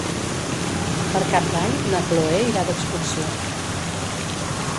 Per Cap d'Any na Chloé irà d'excursió.